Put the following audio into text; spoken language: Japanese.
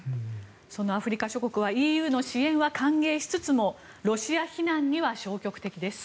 そのアフリカ諸国はＥＵの支援は歓迎しつつもロシア非難には消極的です。